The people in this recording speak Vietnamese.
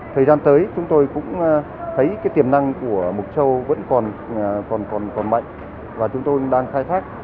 thời gian tới chúng tôi cũng thấy tiềm năng của mục châu vẫn còn mạnh và chúng tôi đang khai thác